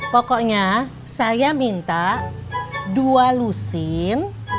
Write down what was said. pokoknya saya minta dua lusin